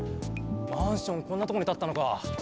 マンションこんなとこにたったのか！